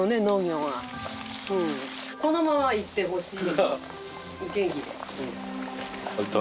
このままいってほしい元気で。